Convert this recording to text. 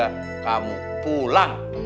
sekarang juga kamu pulang